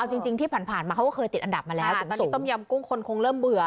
เอาจริงที่ผ่านมาเขาก็เคยติดอันดับมาแล้วปกติต้มยำกุ้งคนคงเริ่มเบื่อ